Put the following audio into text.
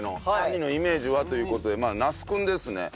「３人のイメージは？」という事で那須君ですね。